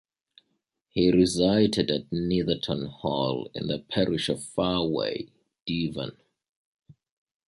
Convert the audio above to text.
He resided at Netherton Hall in the parish of Farway, Devon.